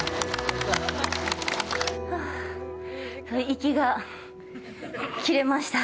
息が切れました。